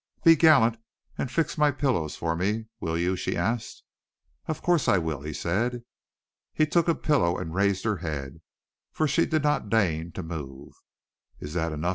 "Be gallant and fix my pillows for me, will you?" she asked. "Of course I will," he said. He took a pillow and raised her head, for she did not deign to move. "Is that enough?"